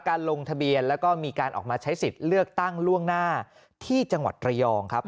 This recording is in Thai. ลงทะเบียนแล้วก็มีการออกมาใช้สิทธิ์เลือกตั้งล่วงหน้าที่จังหวัดระยองครับ